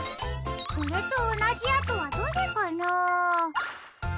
これとおなじあとはどれかな？